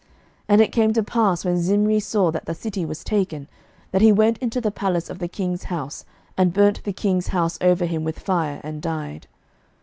11:016:018 And it came to pass, when Zimri saw that the city was taken, that he went into the palace of the king's house, and burnt the king's house over him with fire, and died.